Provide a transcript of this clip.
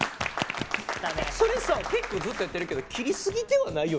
それさ結構ずっとやってるけど切りすぎてはないよな？